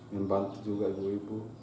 membantu juga ibu ibu